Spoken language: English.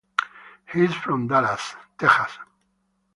He is from Dallas, Texas.